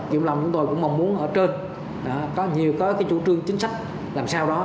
kiểm lâm chúng tôi cũng mong muốn ở trên có nhiều chủ trương chính sách làm sao đó